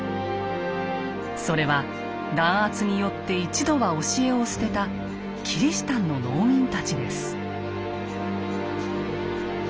それは弾圧によって一度は教えを捨てたキリシタンの農民たちです。